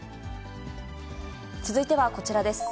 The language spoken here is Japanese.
続いてはこちらです。